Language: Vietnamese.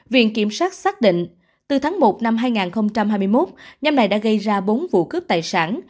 viện kiểm sát xác định từ tháng một năm hai nghìn hai mươi một nhóm này đã gây ra bốn vụ cướp tài sản